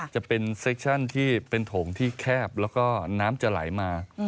จะเป็นเซคชั่นที่เป็นโถงที่แคบแล้วก็น้ำจะไหลมา